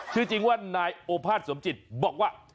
ชื่อจริงว่านายโอภาษสมจิตบอกว่า